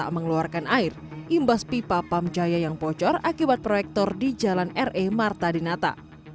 tak mengeluarkan air imbas pipa pamjaya yang bocor akibat proyektor di jalan re marta dinata